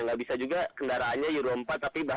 nggak bisa juga kendaraannya euro empat tapi